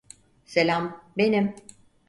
Selam, benim.